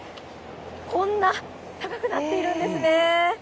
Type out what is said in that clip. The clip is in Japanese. こんな高くなっているんですね。